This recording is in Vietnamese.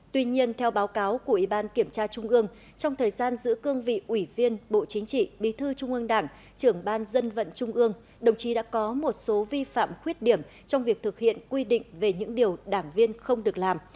tuy nhiên theo báo cáo của ủy ban kiểm tra trung ương trong thời gian giữ cương vị ủy viên bộ chính trị bí thư trung ương đảng trưởng ban dân vận trung ương đồng chí đã có một số vi phạm khuyết điểm trong việc thực hiện quy định về những điều đảng viên không được làm